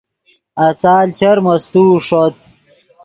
آسال چر مستوؤ ݰوت